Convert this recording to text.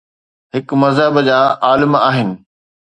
هڪ مذهب جا عالم آهن.